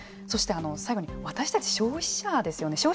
そして最後に私たち消費者ですよね。